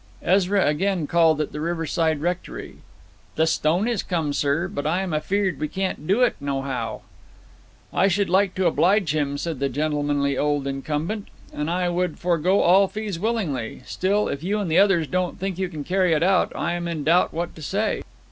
Ezra again called at the riverside rectory. 'The stone is come, sir. But I'm afeard we can't do it nohow.' 'I should like to oblige him,' said the gentlemanly old incumbent. 'And I would forego all fees willingly. Still, if you and the others don't think you can carry it out, I am in doubt what to say.'